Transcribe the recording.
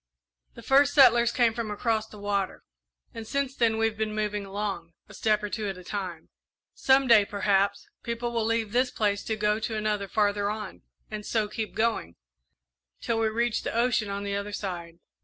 The first settlers came from across the water, and since then we've been moving along, a step or two at a time. Some day, perhaps, people will leave this place to go to another farther on, and so keep going, till we reach the ocean on the other side.